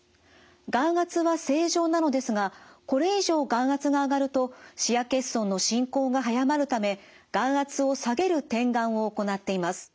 眼圧は正常なのですがこれ以上眼圧が上がると視野欠損の進行が早まるため眼圧を下げる点眼を行っています。